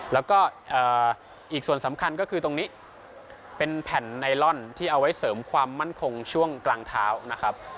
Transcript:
แล้วก็อีกส่วนสำคัญก็คือตรงนี้เป็นแผ่นไนลอนที่เอาไว้เสริมความมั่นคงช่วงกลางเท้านะครับ